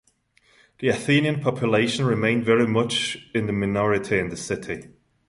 The Athenian population remained very much in the minority in the city.